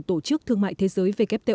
tổ chức thương mại thế giới